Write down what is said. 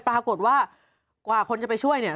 ปรากฏว่ากว่าคนจะไปช่วยเนี่ย